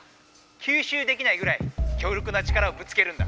「きゅうしゅうできないぐらい強力な力をぶつけるんだ」。